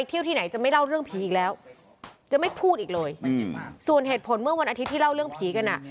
ที่ไหนจะไม่เล่าเรื่องผีอีกแล้วจะไม่พูดอีกเลยส่วนเหตุผลเมื่อวันอาทิตย์ที่เล่าเรื่องผีกันอ่ะ